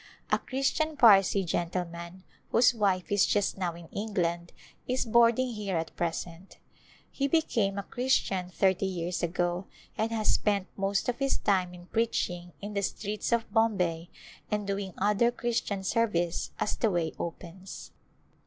A Christian Parsi gentle man, whose wife is just now in England, is boarding here at present. He became a Christian thirty years Return to India ago and has spent most of his time in preaching in the streets of Bombay and doing other Christian serv ice as the way opens.